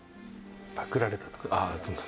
「パクられた」とか。